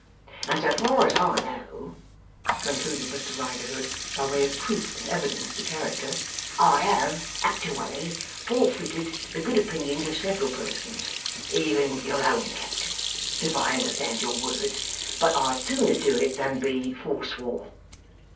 And so far as I know,' concluded Mr Riderhood, by way of proof and evidence to character, 'I HAVE actiwally forfeited the good opinions of several persons even your own, Captain, if I understand your words but I'd sooner do it than be forswore.